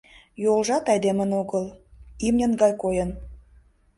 Йолжат айдемын огыл, имньын гай койын.